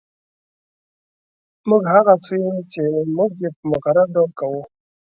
موږ هغه څه یو چې موږ یې په مکرر ډول کوو